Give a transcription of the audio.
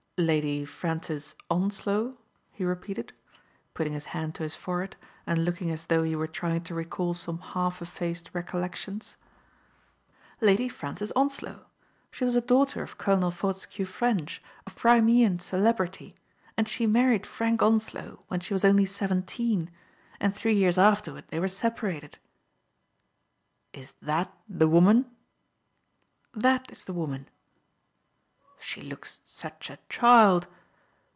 " Lady Francis Onslow ?" he repeated, putting his hand to his forehead and looking as though he were trying to recall some half efifaced recollections. Digitized by Google FRANCES ELEANOR TROLLOP E. 27 Lady Francis Onslow. She was a daughter of Colonel Fortescue Ffrench, of Crimean celeb rity, and she married Frank Onslow when she was only seventeen, and three years afterward they were separated." " Is that the wonian ?" ''That is the woman.*' " She looks such a child